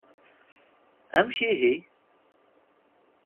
Amek ihi?